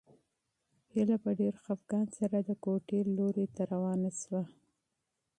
هیله په ډېر خپګان سره د کوټې لوري ته روانه شوه.